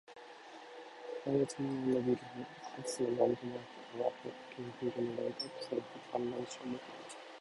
半月状のビルも、かつてのランドマークタワーも、ピンク色にライトアップされた観覧車も